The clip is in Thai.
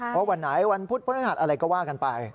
เพราะวันไหนวันพุธพฤหัสอะไรก็ว่ากันไป